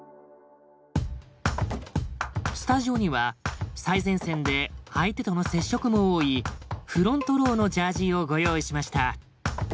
スタジオには最前線で相手との接触も多いフロントロウのジャージーをご用意しました。